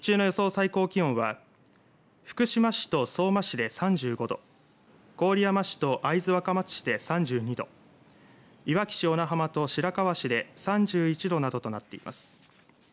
最高気温は福島市と相馬市で３５度郡山市と会津若松市で３２度いわき市小名浜と白河市で３１度などとなっています。